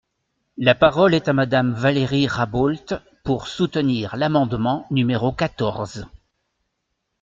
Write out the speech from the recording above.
La parole est à Madame Valérie Rabault, pour soutenir l’amendement numéro quatorze.